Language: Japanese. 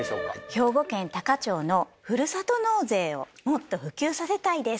兵庫県多可町のふるさと納税をもっと普及させたいです。